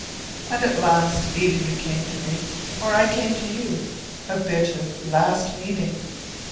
And at last either you came to me, or I came to you: a bitter last meeting.